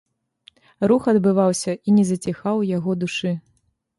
Рух адбываўся і не заціхаў у яго душы.